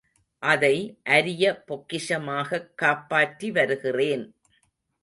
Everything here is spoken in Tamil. அதை அரிய பொக்கிஷமாகக் காப்பாற்றி வருகிறேன்.